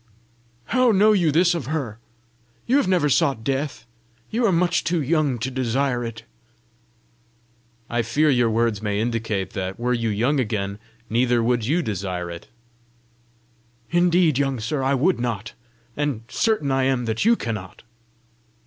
"How know you this of her? You have never sought death! you are much too young to desire it!" "I fear your words may indicate that, were you young again, neither would you desire it." "Indeed, young sir, I would not! and certain I am that you cannot."